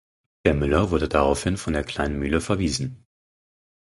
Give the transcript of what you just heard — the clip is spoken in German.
Der Müller wurde daraufhin von der Kleinen Mühle verwiesen.